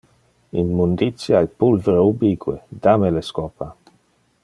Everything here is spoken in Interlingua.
Immunditia e pulvere ubique, da me le scopa!